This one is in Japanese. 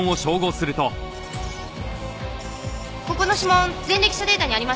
ここの指紋前歴者データにありました。